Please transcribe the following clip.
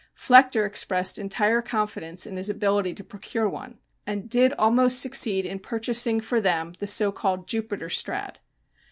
Flechter expressed entire confidence in his ability to procure one, and did almost succeed in purchasing for them the so called "Jupiter Strad."